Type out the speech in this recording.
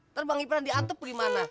ntar bang ipran diantuk gimana